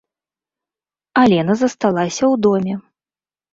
Алена засталася ў доме.